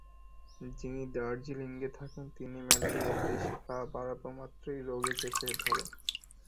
যিনি দার্জিলিঙে থাকেন তিনি ম্যালেরিয়ার দেশে পা বাড়াবামাত্রই রোগে চেপে ধরে।